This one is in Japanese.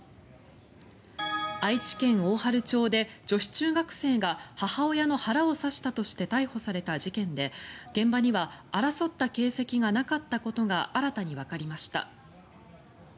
愛知県大治町で女子中学生が母親の腹を刺したとして逮捕された事件で現場には争った形跡がなかったことが新たにわかりました。